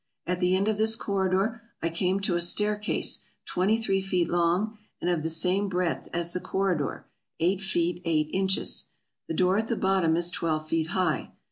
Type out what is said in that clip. At the end of this corridor I came to a staircase twenty three feet long and of the same breadth as the corridor — eight feet eight inches. The door at the bottom is twelve feet high.